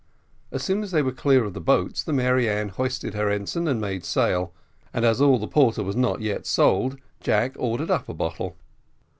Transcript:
As soon as they were clear of the boats, the Mary Ann hoisted her ensign and made sail, and as all the porter was not yet sold, Jack ordered up a bottle.